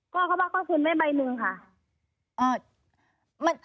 ก็เขาว่าเขาคืนไว้ใบหนึ่งค่ะ